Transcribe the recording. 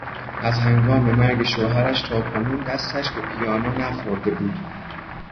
از هنگام مرگ شوهرش تا کنون دستش به پیانو نخورده بود.